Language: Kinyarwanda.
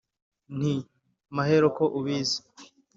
nti: “mahero ko ubizi